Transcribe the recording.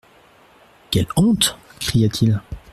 Quelle honte ! cria-t-il.